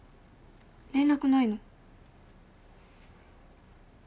連絡ないの？